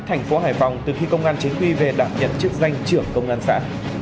thành phố hải phòng từ khi công an chính quy về đảm nhận chức danh trưởng công an xã